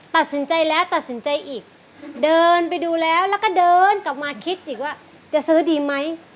ตัดสินใจแล้วตัดสินใจอีกเดินไปดูแล้วแล้วก็เดินกลับมาคิดอีกว่าจะซื้อดีไหม